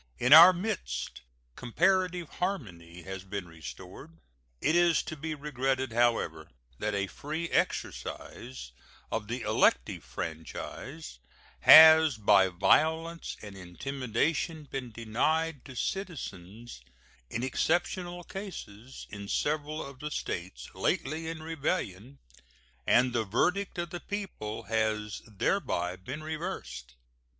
In our midst comparative harmony has been restored. It is to be regretted, however, that a free exercise of the elective franchise has by violence and intimidation been denied to citizens in exceptional cases in several of the States lately in rebellion, and the verdict of the people has thereby been reversed.